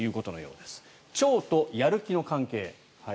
腸とやる気の関係。